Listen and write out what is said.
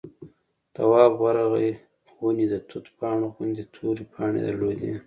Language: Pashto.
تواب ورغی ونې د توت پاڼو غوندې تورې پاڼې درلودې.